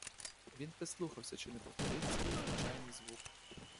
Він прислухався, чи не повториться незвичайний звук.